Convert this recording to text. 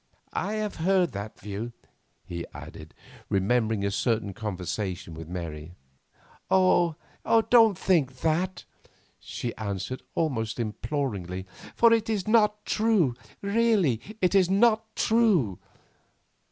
I have heard that view," he added, remembering a certain conversation with Mary. "Oh, don't think that!" she answered, almost imploringly; "for it is not true, really it is not true.